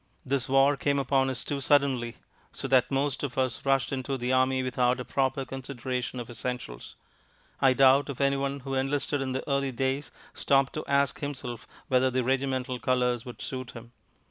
This war came upon us too suddenly, so that most of us rushed into the army without a proper consideration of essentials. I doubt if anyone who enlisted in the early days stopped to ask himself whether the regimental colours would suit him.